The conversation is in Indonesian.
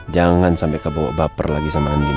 jangan sampai kebawa baper lagi sama andin